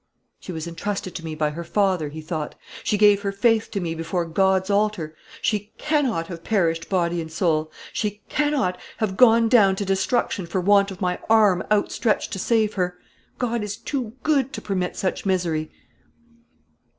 "She was intrusted to me by her father," he thought. "She gave her faith to me before God's altar. She cannot have perished body and soul; she cannot have gone down to destruction for want of my arm outstretched to save her. God is too good to permit such misery."